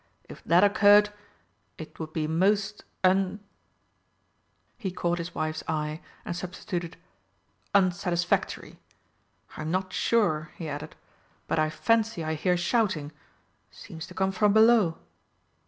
If that occurred, it would be most un " he caught his wife's eye and substituted "unsatisfactory. I'm not sure," he added, "but I fancy I hear shouting. Seems to come from below."